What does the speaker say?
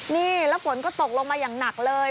นี่แล้วฝนก็ตกลงมาอย่างหนักเลย